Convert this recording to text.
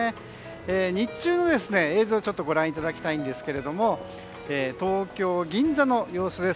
日中の映像をご覧いただきたいんですが東京・銀座の様子です。